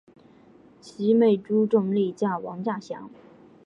其妹朱仲丽嫁王稼祥。